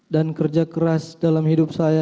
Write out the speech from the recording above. kerja keras dalam hidup saya